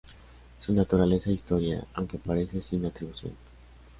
Su Naturaleza e Historia", aunque aparece sin atribución.